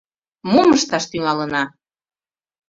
- Мом ышташ тӱҥалына?